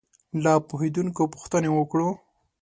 له پوهېدونکو پوښتنې وکړو.